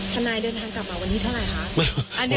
ทนายเดินทางกลับมาวันที่เท่าไหร่คะ